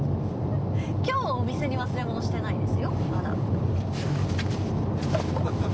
今日お店に忘れ物してないですよまだ。